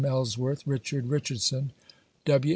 Ellsworth, Richard Richardson, W.